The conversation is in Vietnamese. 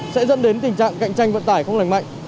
sẽ dẫn đến tình trạng cạnh tranh vận tải không lành mạnh